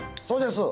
そうです。